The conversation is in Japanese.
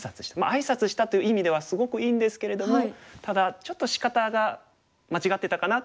あいさつしたという意味ではすごくいいんですけれどもただちょっとしかたが間違ってたかなという感じですかね。